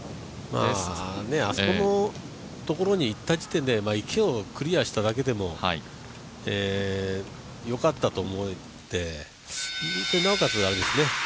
あそこのところにいった時点で池をクリアしただけでもよかったと思ってなおかつ